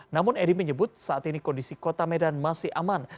namun edi menyebut saat ini kondisi kota medan masih aman